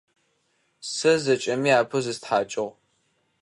Сэ зэкӏэми апэу зыстхьакӏыгъ.